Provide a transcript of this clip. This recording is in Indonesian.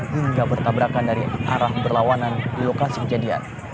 hingga bertabrakan dari arah berlawanan di lokasi kejadian